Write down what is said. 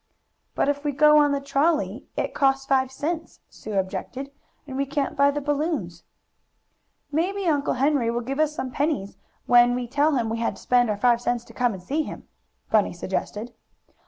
"But if we go on the trolley it costs five cents," Sue objected, "and we can't buy the balloons." "Maybe Uncle Henry will give us some pennies when we tell him we had to spend our five cents to come to see him," Bunny suggested.